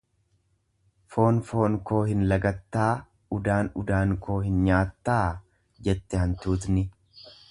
"""Foon foon koo hin lagattaa udaan udaan koo hin nyaattaa?"" jette hantuutni."